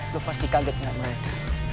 lu pasti kaget enggak merida